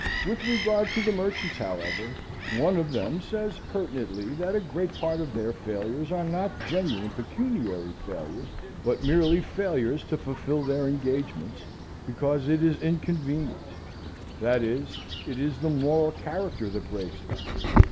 With regard to the merchants, however, one of them says pertinently that a great part of their failures are not genuine pecuniary failures, but merely failures to fulfil their engagements, because it is inconvenient; that is, it is the moral character that breaks down.